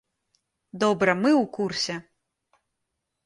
Добра мы ў курсе.